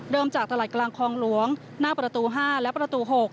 จากตลาดกลางคลองหลวงหน้าประตู๕และประตู๖